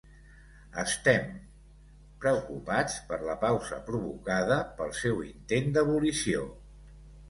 Estem... preocupats per la pausa provocada pel seu intent d'abolició.